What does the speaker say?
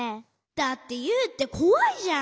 だってユウってこわいじゃん。